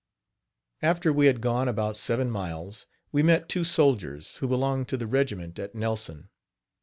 After we had gone about seven miles, we met two soldiers, who belonged to the regiment at Nelson.